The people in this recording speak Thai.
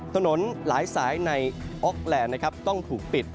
ถนนหลายสายในออกแลนด์นะครับต้องถูกปิด